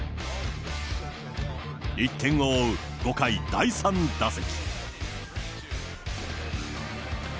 １点を追う５回、第３打席。